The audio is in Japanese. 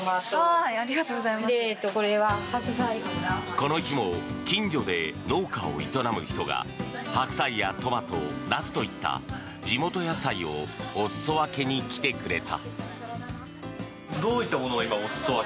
この日も近所で農家を営む人が白菜やトマト、ナスといった地元野菜をお裾分けに来てくれた。